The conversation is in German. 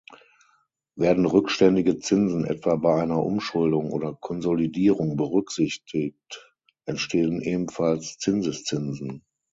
Werden rückständige Zinsen etwa bei einer Umschuldung oder Konsolidierung berücksichtigt, entstehen ebenfalls Zinseszinsen.